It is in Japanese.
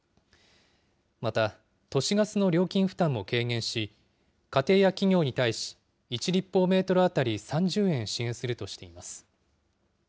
また、都市ガスの料金負担も軽減し、家庭や企業に対し１立方メートル当たり３０円支援するとしています。